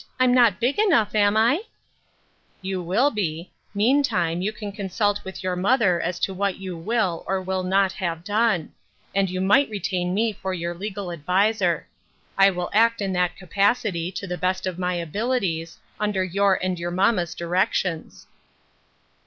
I'm not big enough, am I ?"" You will be ; meantime, you can consult with your mother as to what you will, or will not have done ; and you might retain me for your legal adviser ; I will act in that capacity to the best of my abilities, under your and your mamma's directions.